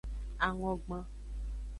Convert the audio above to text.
Angogban.